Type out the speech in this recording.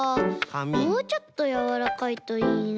もうちょっとやわらかいといいな。